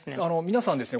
皆さんですね